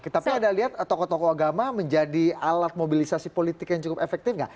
tapi anda lihat tokoh tokoh agama menjadi alat mobilisasi politik yang cukup efektif nggak